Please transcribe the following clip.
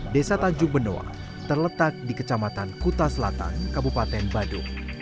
desa tanjung benoa terletak di kecamatan kuta selatan kabupaten badung